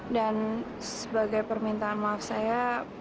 dan sebagai permintaan maaf saya